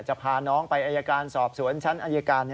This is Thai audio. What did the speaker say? พาน้องไปอายการสอบสวนชั้นอายการ